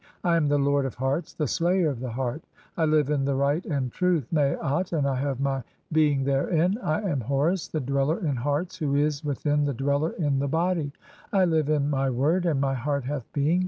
I am the lord of hearts, the "slayer of the heart. (3) I live in right and truth (Maat) and "I have my being therein. I am Horus, the dweller in hearts, (4) "who is within the dweller in the body. I live in my word, and "my heart hath being.